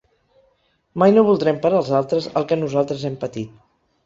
Mai no voldrem per als altres el que nosaltres hem patit.